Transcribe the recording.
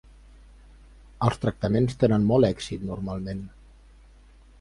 Els tractaments tenen molt èxit normalment.